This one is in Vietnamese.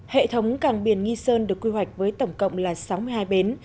hệ thống cảng biển nghi sơn được quy hoạch với tổng cộng là sáu mươi hai bến